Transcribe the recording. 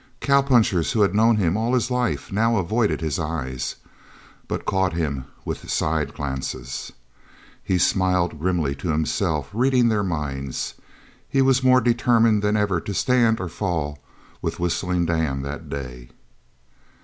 Cowpunchers who had known him all his life now avoided his eyes, but caught him with side glances. He smiled grimly to himself, reading their minds. He was more determined than ever to stand or fall with Whistling Dan that day.